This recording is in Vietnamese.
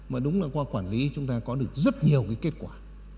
mà đúng là qua quản lý chúng ta có được rất nhiều cái kết quả